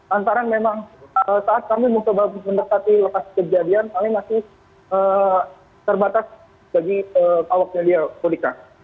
antara memang saat kami mencoba mendekati lokasi kejadian kami masih terbatas bagi awak media